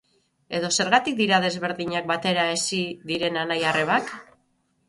Edo zergatik dira desberdinak batera hezi diren anai-arrebak?